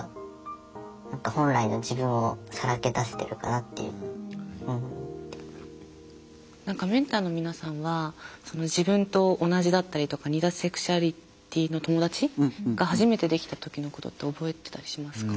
やっぱり何かメンターの皆さんは自分と同じだったりとか似たセクシュアリティーの友達が初めてできた時のことって覚えてたりしますか？